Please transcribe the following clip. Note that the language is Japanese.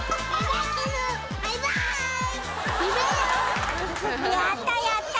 バイバーイ！